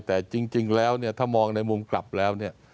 แต่จริงแล้วเนี่ยถ้ามองในมุมกลับแล้วเนี่ย